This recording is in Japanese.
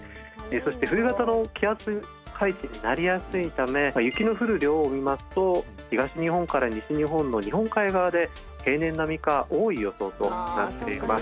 そして冬型の気圧配置になりやすいため雪の降る量を見ますと東日本から西日本の日本海側で平年並みか多い予想となっています。